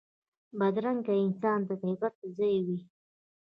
بدرنګه انسان د عبرت ځای وي